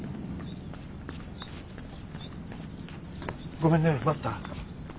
ごめんね待った？